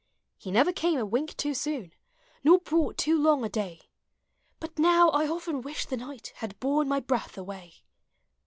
He never came a wink too soon. Nor brought too long a day ; Hut now I often wish the night Had borne my breath away!